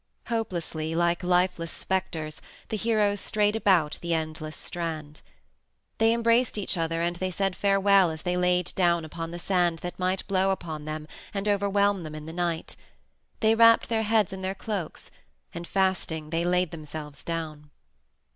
Hopelessly, like lifeless specters, the heroes strayed about the endless strand. They embraced each other and they said farewell as they laid down upon the sand that might blow upon them and overwhelm them in the night. They wrapped their heads in their cloaks, and, fasting, they laid themselves down.